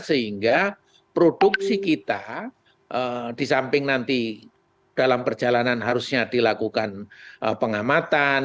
sehingga produksi kita di samping nanti dalam perjalanan harusnya dilakukan pengamatan